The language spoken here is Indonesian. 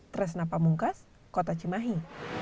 terus apa mungkas kota cimahi